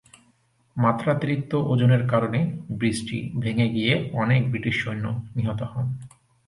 মাত্রাতিরিক্ত ওজনের কারণে ব্রিজটি ভেঙ্গে গিয়ে অনেক ব্রিটিশ সৈন্য নিহত হন।